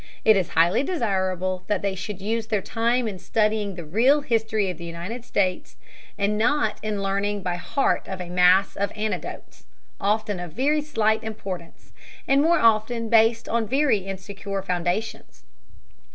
It is highly desirable that they should use their time in studying the real history of the United States and not in learning by heart a mass of anecdotes, often of very slight importance, and more often based on very insecure foundations.